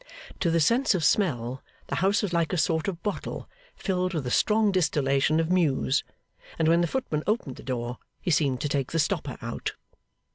To the sense of smell the house was like a sort of bottle filled with a strong distillation of Mews; and when the footman opened the door, he seemed to take the stopper out.